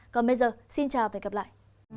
còn bây giờ xin chào và hẹn gặp lại